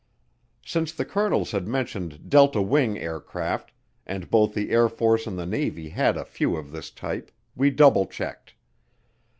Since the colonels had mentioned delta wing aircraft, and both the Air Force and the Navy had a few of this type, we double checked.